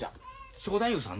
正太夫さん